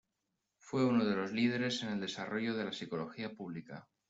Fue uno de los líderes en el desarrollo de la psicología pública.